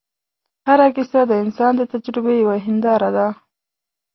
هره کیسه د انسان د تجربې یوه هنداره ده.